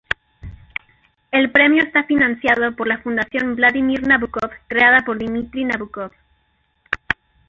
El premio está financiado por la Fundación Vladimir Nabokov, creada por Dmitri Nabokov.